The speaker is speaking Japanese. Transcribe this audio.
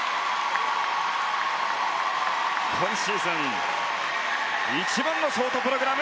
今シーズン一番のショートプログラム